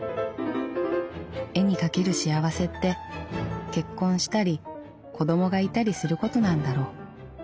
絵に描ける幸せって結婚したり子供がいたりすることなんだろう。